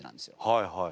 はいはい。